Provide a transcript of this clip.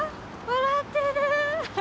笑ってるー！